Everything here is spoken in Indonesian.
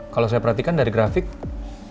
kalau saya perhatikan dari grafiknya ini